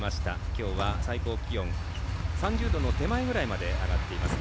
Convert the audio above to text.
きょうは、最高気温３０度の手前ぐらいまで上がっています。